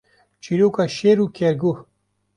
Çîroka Şêr û Kerguh